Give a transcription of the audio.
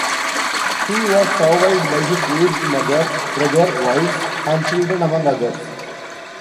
He was survived by his aged mother, brother, wives and children, among others.